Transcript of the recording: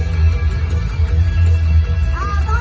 มันเป็นเมื่อไหร่แล้ว